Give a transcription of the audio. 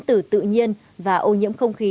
tử tự nhiên và ô nhiễm không khí